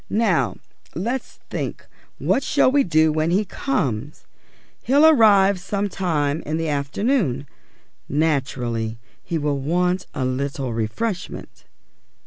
Now let's think what we shall do when he comes. He'll arrive some time in the afternoon. Naturally he will want a little refreshment."